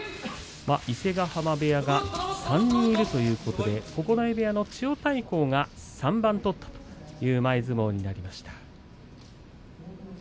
伊勢ヶ濱部屋が３人いるということで九重部屋の千代大光が３番取ったという前相撲になりました。